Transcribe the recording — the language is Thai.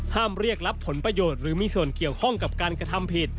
เรียกรับผลประโยชน์หรือมีส่วนเกี่ยวข้องกับการกระทำผิด